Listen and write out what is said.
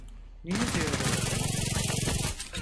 Ne yazıyor orada?